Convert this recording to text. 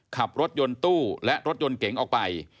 ขับรถยนต์ตู้และรถยนต์เก๋งออกไป